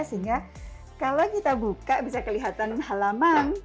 sehingga kalau kita buka bisa kelihatan halaman